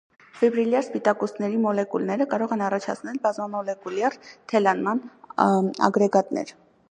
Ֆիբրիլյար սպիտակուցների մուլեկուլները կարող են առաջացնել բազմամոլեկուլյար թելանման ագրեգատներ։